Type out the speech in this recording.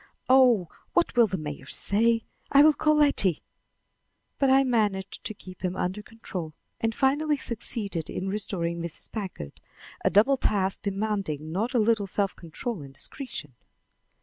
Oh, what will the mayor say? I will call Letty." But I managed to keep him under control and finally succeeded in restoring Mrs. Packard a double task demanding not a little self control and discretion.